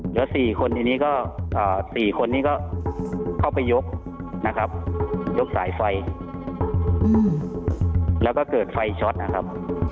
แล้ว๔คนนี้ก็เข้าไปยกนะครับยกสายไฟแล้วก็เกิดไฟช็อตนะครับ